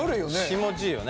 気持ちいいよね。